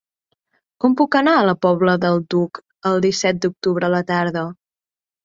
Com puc anar a la Pobla del Duc el disset d'octubre a la tarda?